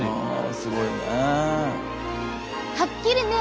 すごいねぇ。